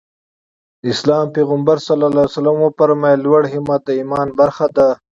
د اسلام پيغمبر ص وفرمايل لوړ همت د ايمان برخه ده.